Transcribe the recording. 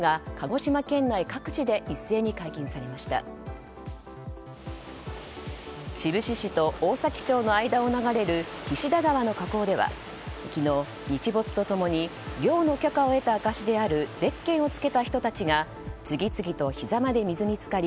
志布志市と大崎町の間を流れる菱田川の河口では昨日、日没と共に漁の許可を得た証しであるゼッケンを着けた人たちが次々とひざまで水に浸かり